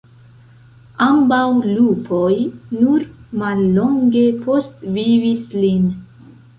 Ambaŭ lupoj nur mallonge postvivis lin.